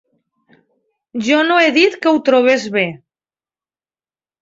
Jo no he dit que ho trobés bé